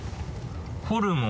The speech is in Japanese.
ホルモン。